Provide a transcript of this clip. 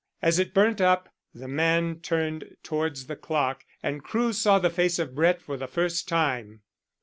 As it burnt up the man turned towards the clock, and Crewe saw the face of Brett for the first time.